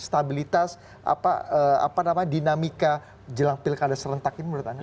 stabilitas apa namanya dinamika jelang pilkada serentak ini menurut anda